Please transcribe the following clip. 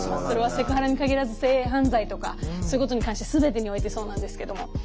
それはセクハラに限らず性犯罪とかそういうことに関してすべてにおいてそうなんですけども。